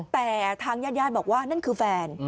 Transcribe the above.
แต่ทางญาติญาติบอกว่านั่นคือแฟน